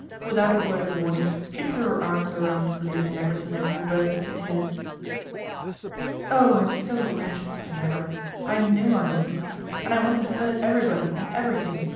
Without a word of warning she threw her arms around Lady Tanagra's neck and burst into tears. " Oh, I'm so wretched, Tanagra ! I know I'm a beast and I want to hurt everybody and every thing.